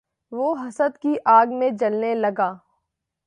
وہ حسد کی آگ میں جلنے لگا